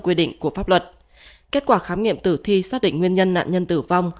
quy định của pháp luật kết quả khám nghiệm tử thi xác định nguyên nhân nạn nhân tử vong